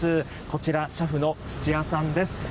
こちら、車夫の土屋さんです。